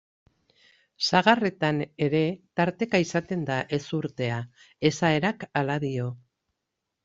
Sagarretan ere tarteka izaten da ezurtea, esaerak hala dio.